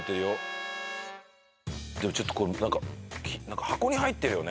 でもちょっとこれなんかなんか箱に入ってるよね。